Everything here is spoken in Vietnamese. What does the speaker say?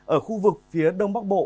ở khu vực phía đông bắc bộ